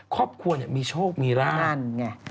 ครอบครัวมีโชคมีร่าง